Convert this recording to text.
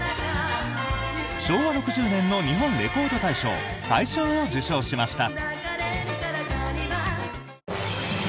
昭和６０年の日本レコード大賞大賞を受賞しました。